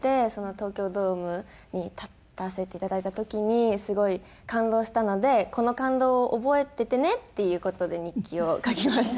東京ドームに立たせていただいた時にすごい感動したのでこの感動を覚えててねっていう事で日記を書きました。